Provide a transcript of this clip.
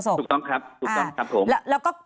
ถูกต้องครับ